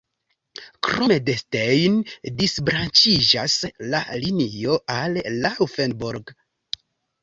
Krome de Stein disbranĉiĝas la linio al Laufenburg.